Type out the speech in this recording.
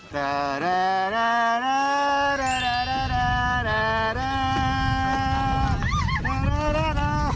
ศ์อาทิตย์